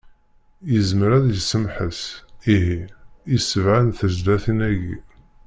Yezmer ad yessemḥes, ihi, i sebɛa n tezlatin-agi.